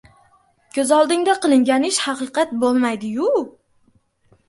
Ko‘z oldingda qilingan ish haqiqat bo‘lmaydi-yu.